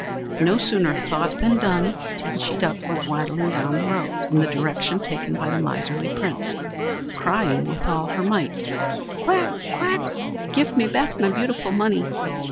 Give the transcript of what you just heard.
No sooner thought than done. Teenchy Duck went waddling down the road in the direction taken by the miserly Prince, crying with all her might: "Quack! quack! Give me back my beautiful money!